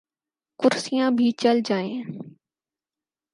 کرسیاں بھی چل جائیں۔